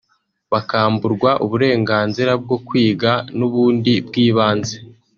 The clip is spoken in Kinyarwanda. bakamburwa uburenganzira bwo kwiga n’ubundi bw’ibanze